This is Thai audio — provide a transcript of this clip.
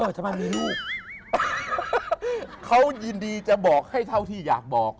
จะมามีลูกเขายินดีจะบอกให้เท่าที่อยากบอก